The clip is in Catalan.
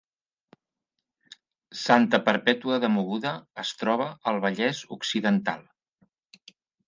Santa Perpètua de Mogoda es troba al Vallès Occidental